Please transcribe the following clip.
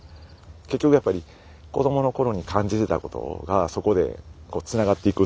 結局やっぱり子どもの頃に感じてたことがそこでつながっていくっていうかね